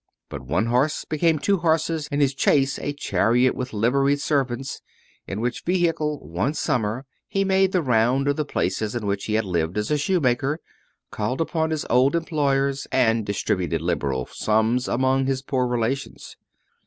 But his one horse became two horses, and his chaise a chariot with liveried servants, in which vehicle, one summer, he made the round of the places in which he had lived as a shoemaker, called upon his old employers, and distributed liberal sums of money among his poor relations.